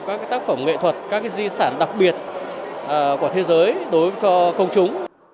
các tác phẩm nghệ thuật các di sản đặc biệt của thế giới đối với công chúng